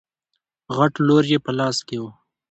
غټ لور يې په لاس کې و.